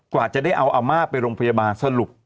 กว่าจะได้เอาอาม่าไปโรงพยาบาลสรุป